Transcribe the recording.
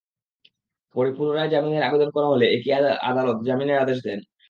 পরে পুনরায় জামিনের আবেদন করা হলে একই আদালত জামিনের আদেশ দেন।